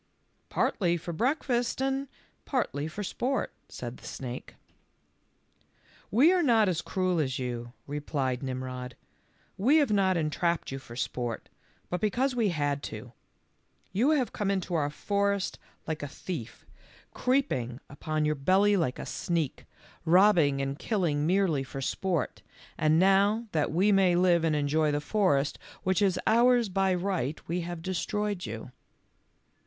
"Partly for breakfast and partly for sport," said the snake. "We are not as cruel as you," replied Nim rod ;" we have not entrapped you for sport, but because we had to. You have come into our forest like a thief, creeping upon your "WHO HAS DONE THIS? ,; HE HISSED. THE END OF BLACK LIGHTNING. 99 belly like a sneak, robbing and killing merely for sport, and now that we may live and enjoy the forest which is ours by right, we have destroyed you."